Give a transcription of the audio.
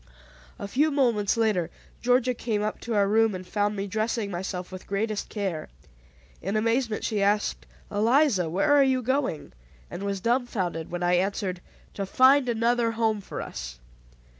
A few moments later Georgia came up to our room, and found me dressing myself with greatest care. In amazement she asked, "Eliza, where are you going?" and was dumbfounded when I answered, "To find another home for us."